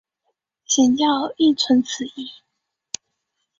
显教亦存此义。